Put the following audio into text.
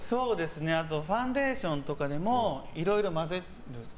あとファンデーションとかでもいろいろ、混ぜる。